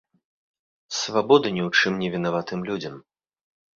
Свабоду ні ў чым не вінаватым людзям!